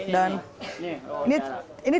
dan ini tempat ini